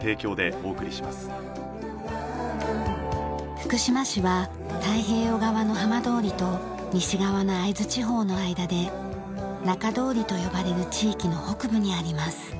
福島市は太平洋側の浜通りと西側の会津地方の間で中通りと呼ばれる地域の北部にあります。